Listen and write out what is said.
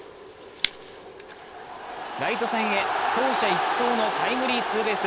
ライト線へ、走者一掃のタイムリーツーベース。